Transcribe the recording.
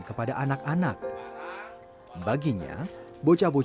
kenapa ketut gak takut